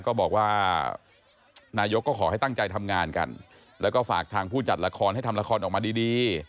ก็บอกว่านายกก็ขอให้ตั้งใจทำงานกันแล้วก็ฝากทางผู้จัดละครให้ทำละครออกมาดี